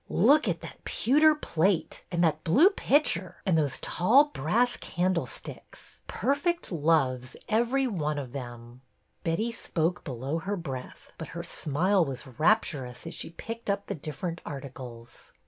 " Look at that pewter plate ! And that blue pitcher ! And those tall brass candlesticks ! Per fect loves, every one of them !" Betty spoke below her breath, but her smile was rapturous as she picked up the different articles.